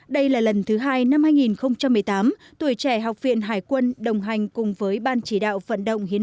đây là lần thứ hai năm hai nghìn một mươi tám tuổi trẻ học viện hải quân đồng hành cùng với ban chỉ đạo vận động